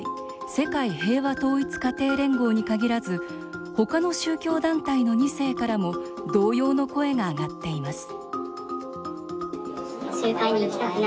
世界平和統一家庭連合に限らず他の宗教団体の２世からも同様の声が上がっています